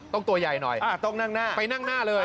ต้องตัวยใหญ่หน่อยไปนั่งหน้าเลย